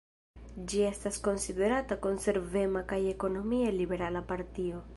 Ĝi estas konsiderata konservema kaj ekonomie liberala partio.